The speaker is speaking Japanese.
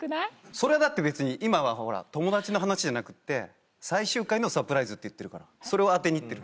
それだって別に今はほら友達の話じゃなくって最終回のサプライズって言ってるからそれを当てに行ってる。